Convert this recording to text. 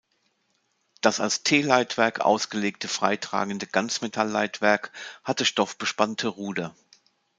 Das als T-Leitwerk ausgelegte freitragende Ganzmetall-Leitwerk hatte stoffbespannte Ruder.